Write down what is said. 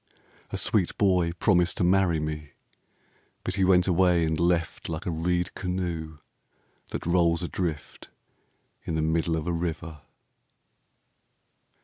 A sweet boy promised to marry me, But he went away and left Like a reed canoe that rolls adrift In the middle of a river.